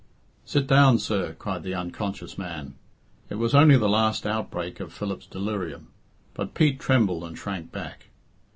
"Sit down, sir," cried the unconscious man. It was only the last outbreak of Philip's delirium, but Pete trembled and shrank back.